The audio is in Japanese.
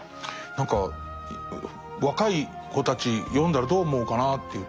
何か若い子たち読んだらどう思うかなっていう。